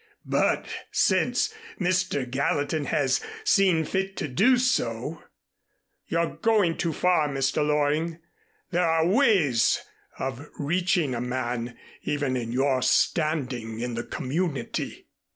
"But since Mr. Gallatin has seen fit to do so " "You're going too far, Mr. Loring. There are ways of reaching a man even of your standing in the community."